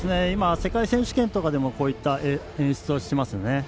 今、世界選手権とかでもこういった演出をしていますね。